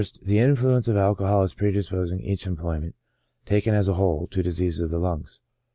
The influence of alcohol as predisposing each em ployment, taken as a whole, to diseases of the lungs.